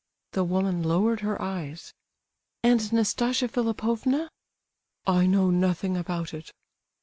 The woman lowered her eyes. "And Nastasia Philipovna?" "I know nothing about it."